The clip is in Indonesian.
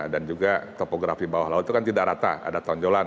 dan juga topografi bawah laut itu kan tidak rata ada tonjolan